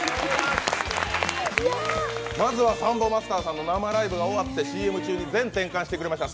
まずはサンボマスターさんの生ライブが終わってＣＭ中に全転換してくれました